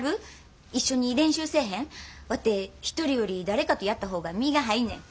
ワテ一人より誰かとやった方が身が入んねん。